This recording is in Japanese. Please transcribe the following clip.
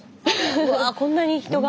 うわこんなに人が。